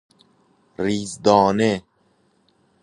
ریزدانه